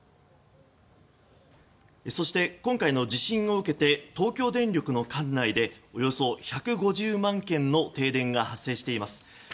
そして、今回の地震を受けて東京電力の管内でおよそ１５０万軒の停電が発生しています。